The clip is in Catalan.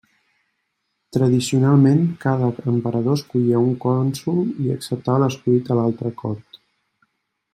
Tradicionalment cada emperador escollia un cònsol i acceptava l'escollit a l'altra cort.